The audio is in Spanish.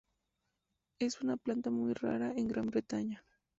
Es una planta muy rara en Gran Bretaña.